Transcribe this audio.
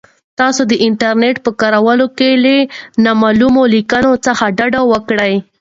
تاسو د انټرنیټ په کارولو کې له نامعلومو لینکونو څخه ډډه وکړئ.